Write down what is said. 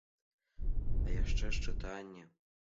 А яшчэ ж чытанне.